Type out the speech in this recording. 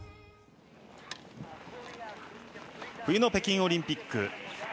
冬の北京オリンピック。